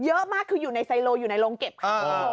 เยอะมากคืออยู่ในไซโลอยู่ในโรงเก็บค่ะ